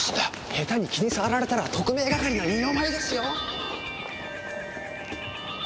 下手に気に障られたら特命係の二の舞ですよ！